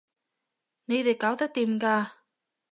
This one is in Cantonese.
你哋搞得掂㗎